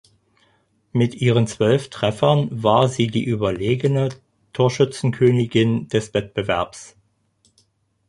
Mit ihren zwölf Treffern war sie die überlegene Torschützenkönigin des Wettbewerbs.